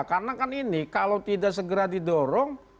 karena kan ini kalau tidak segera didorong